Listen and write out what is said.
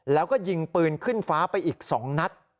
แล้วก็ยิงปืนขึ้นฟ้าไปอีก๒นัด